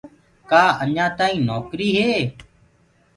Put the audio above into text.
ڪآ اڃآ تآئينٚ نوڪري هي؟